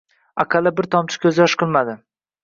Aqalli bir tomchi ko`zyosh qilmadi